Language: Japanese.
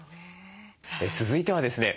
続いてはですね